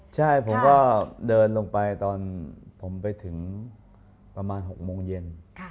ใช่ผมก็เดินลงไปตอนผมไปถึงประมาณ๖โมงเย็น